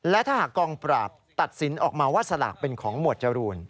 และถ้าหากกองปราบตัดสินออกมาว่าสลากเป็นของหมวดจรูน